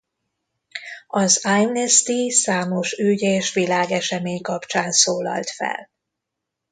Az Amnesty számos ügy és világesemény kapcsán szólalt fel.